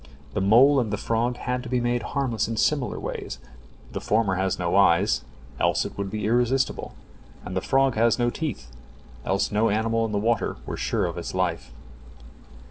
The mole and the frog had to be made harmless in similar ways; the former has no eyes, else it were irresistible, and the frog has no teeth, else no animal in the water were sure of its life.